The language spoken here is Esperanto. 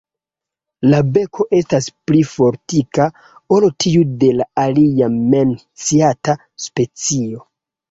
La beko estas pli fortika ol tiu de la alia menciata specio.